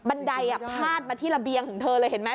ไดพาดมาที่ระเบียงของเธอเลยเห็นไหม